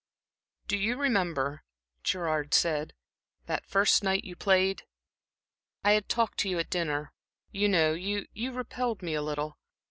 "Do you remember," Gerard said, "that first night you played? I had talked to you at dinner, you know, you you repelled me a little.